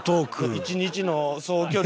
１日の総距離。